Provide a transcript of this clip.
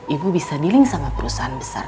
ibu bisa di link sama perusahaan besar